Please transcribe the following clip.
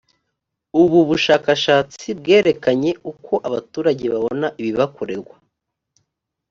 ubu bushakashatsi bwerekanye uko abaturage babona ibibakorerwa